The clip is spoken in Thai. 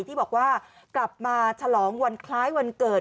ที่บอกว่ากลับมาฉลองวันคล้ายวันเกิด